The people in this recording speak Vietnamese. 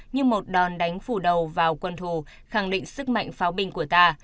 như một đòn đánh phủ đầu vào quân thù khẳng định sức mạnh pháo binh của ta